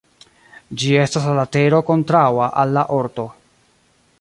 Ĝi estas la latero kontraŭa al la orto.